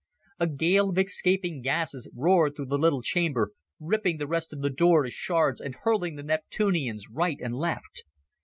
A gale of escaping gases roared through the little chamber, ripping the rest of the door to shards and hurling the Neptunians right and left.